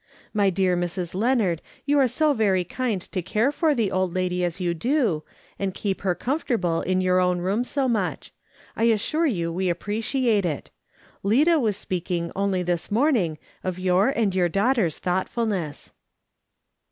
My dear Mrs. Leonard, you are so very kind to care for the old lady as you do, and keep her comfortable in your own room so much ; I assure you we appreciate it. Lida was speaking, only this morning, of your and your daugliter's thoughtfulness."